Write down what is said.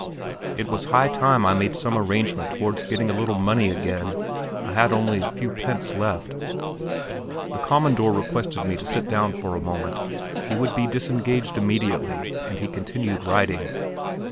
It was high time I made some arrangement towards getting a little money again; I had only a few pence left. The "commandor" requested me to sit down for a moment; he would be disengaged immediately, and he continued writing.